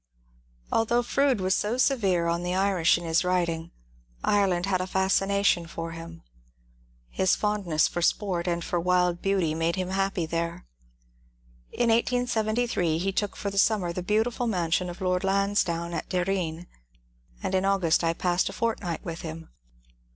Although Froude was so severe on the Irish in his vmting, Ireland had a fascination for him. His fondness for sport and for wild beauty made him happy there. In 1873 he took for the summer the beautiful mansion of Lord Lansdowne at Derreen, and in August I passed a fortnight with him.